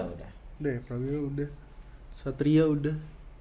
udah ya prawira udah satria udah